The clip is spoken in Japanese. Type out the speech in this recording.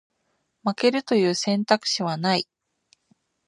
負けるという選択肢はない